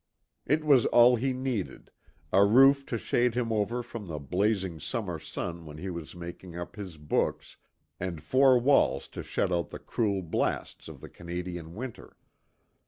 It was all he needed, a roof to shade him from the blazing summer sun when he was making up his books, and four walls to shut out the cruel blasts of the Canadian winter.